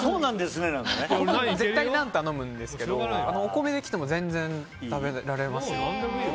絶対ナンを頼むんですけどお米で来ても全然食べられます。